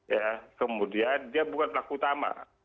ya kemudian dia bukan pelaku utama